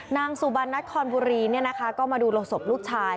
นางสุบัญชานัทคลมบุรีเนี่ยนะคะก็มาดูสบลูกชาย